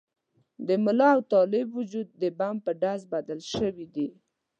د ملا او طالب وجود د بم په ډز بدل شوي دي.